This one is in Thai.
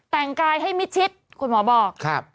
แต่งกายให้มิดชิดคุณหมอบอก